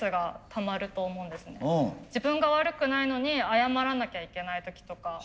自分が悪くないのに謝らなきゃいけない時とか。